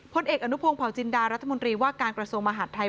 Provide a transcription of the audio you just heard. เอกอนุพงศ์เผาจินดารัฐมนตรีว่าการกระทรวงมหาดไทย